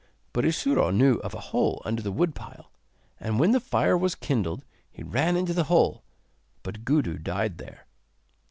But Isuro knew of a hole under the wood pile, and when the fire was kindled he ran into the hole, but Gudu died there.